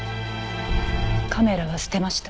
カメラは捨てました。